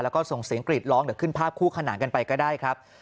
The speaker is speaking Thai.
แล้วก็ส่งเสียงกรีดร้องเดี๋ยวขึ้นภาพคู่ขนานกันไปก็ได้ครับ